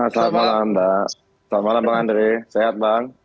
selamat malam mbak selamat malam bang andre sehat bang